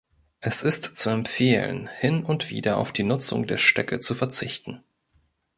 Es ist zu empfehlen, hin und wieder auf die Nutzung der Stöcke zu verzichten.